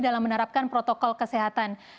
dalam menerapkan protokol kesehatan